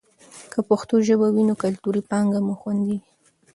که پښتو ژبه وي نو کلتوري پانګه مو خوندي وي.